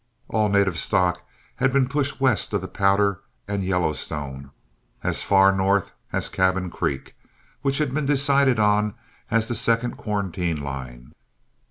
All native stock had been pushed west of the Powder and Yellowstone, as far north as Cabin Creek, which had been decided on as the second quarantine line.